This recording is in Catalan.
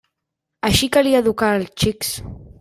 Així calia educar els xics.